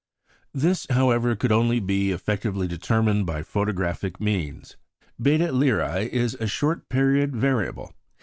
This, however, could only be effectively determined by photographic means. Beta Lyræ is a "short period variable."